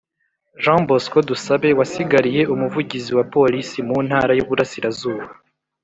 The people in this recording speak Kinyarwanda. Jean Bosco Dusabe wasigariye umuvugizi wa Polisi mu Ntara y’Iburasirazuba